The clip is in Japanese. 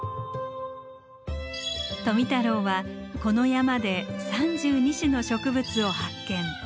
富太郎はこの山で３２種の植物を発見。